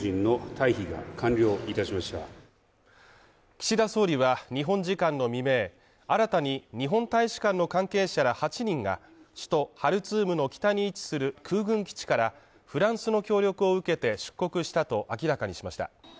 岸田総理は日本時間の未明、新たに日本大使館の関係者ら８人が首都ハルツームの北に位置する空軍基地からフランスの協力を受けて出国したと明らかにしました。